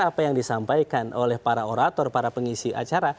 apa yang disampaikan oleh para orator para pengisi acara